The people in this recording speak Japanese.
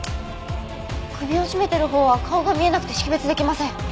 首を絞めてるほうは顔が見えなくて識別できません。